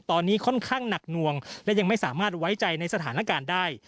ตอนนี้ค่อนข้างหนักหน่วงและยังไม่สามารถไว้ใจในสถานการณ์ได้